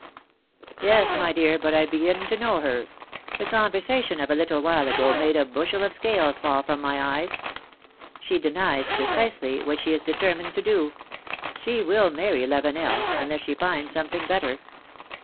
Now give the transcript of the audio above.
" "Yes, my dear, but I begin to know her; the conver sation of a little while ago made a bushel of scales fall from my eyes. She denies precisely what she is deter 148 PHILOMi^NE^S MARRIAGES. mined to do. She will marry Lavenel — unless she finds something better